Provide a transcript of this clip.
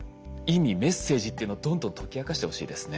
メッセージっていうのをどんどん解き明かしてほしいですね。